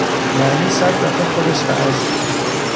یعنی صد دفه خودش از